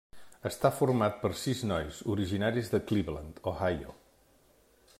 Està format per sis nois, originaris de Cleveland, Ohio.